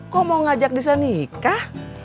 kok mau ngajak desa nikah